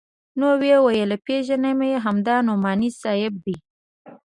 نو ومې ويل پېژنم يې همدا نعماني صاحب دى.